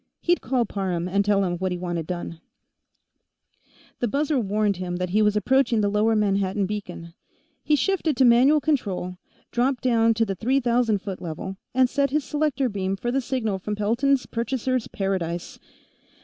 He'd call Parham and tell him what he wanted done. The buzzer warned him that he was approaching the lower Manhattan beacon; he shifted to manual control, dropped down to the three thousand foot level, and set his selector beam for the signal from Pelton's Purchasers' Paradise.